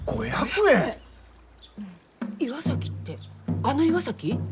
岩崎ってあの岩崎？